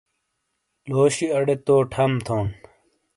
لوشی ارے تو ٹھم تھون